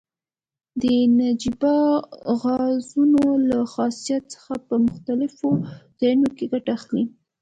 د نجیبه غازونو له خاصیت څخه په مختلفو ځایو کې ګټه اخلي.